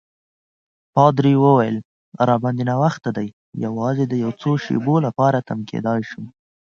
پادري وویل: راباندي ناوخته دی، یوازې د یو څو شېبو لپاره تم کېدای شم.